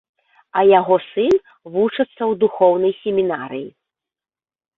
А яго сын вучыцца ў духоўнай семінарыі.